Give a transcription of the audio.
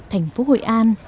thành phố hội an